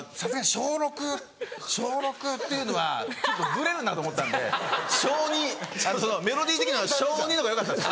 小６っていうのはブレるなと思ったんで小２メロディー的にも小２のほうがよかったんです。